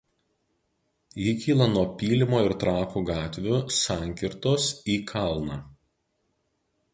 Ji kyla nuo Pylimo ir Trakų gatvių sankirtos į kalną.